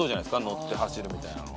のって走るみたいなのは。